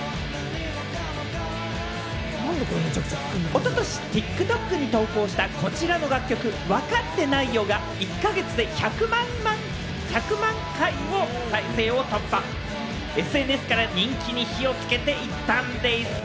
おととしＴｉｋＴｏｋに投稿したこちらの楽曲、『分かってないよ』が１か月で１００万回再生を突破し、ＳＮＳから人気に火をつけていったんです！